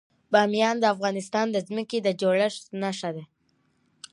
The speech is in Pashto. بامیان د افغانستان د ځمکې د جوړښت نښه ده.